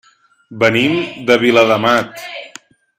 Venim de Viladamat.